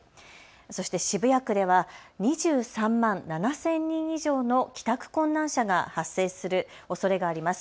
そして渋谷区では２３万７０００人以上の帰宅困難者が発生するおそれがあります。